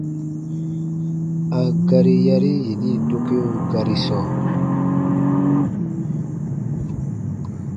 A gari yari yini dokeo gari sɔɔ: